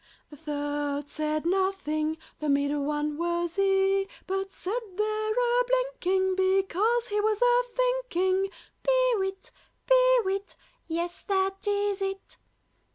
The third said nothing, (The middle one was he,) But sat there a blinking, Because he was a thinking. "Pee wit! pee wit! Yes, that is it!